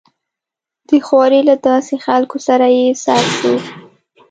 د خوارې له داسې خلکو سره يې سر شو.